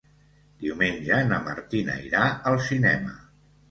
Diumenge na Martina irà al cinema.